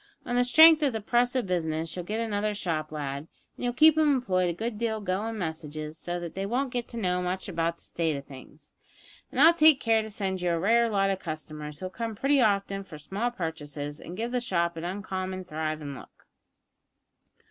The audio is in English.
On the strength of the press o' business you'll get another shop lad, and you'll keep 'em employed a good deal goin' messages, so that they won't get to know much about the state o' things, and I'll take care to send you a rare lot o' customers, who'll come pretty often for small purchases, and give the shop an uncommon thrivin' look.